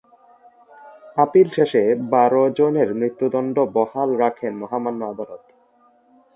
Appeal শেষে বারো জনের মৃত্যুদণ্ড বহাল রাখেন মহামান্য আদালত।